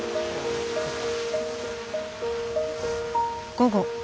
午後。